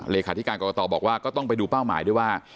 เลขาธิการกรกตบอกว่าก็ต้องไปดูเป้าหมายด้วยว่า